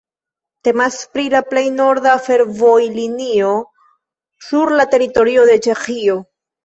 Temas pri la plej norda fervojlinio sur la teritorio de Ĉeĥio.